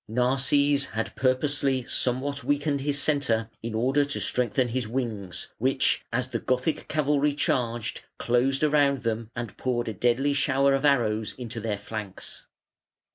Narses had purposely somewhat weakened his centre in order to strengthen his wings, which, as the Gothic cavalry charged, closed round them and poured a deadly shower of arrows into their flanks.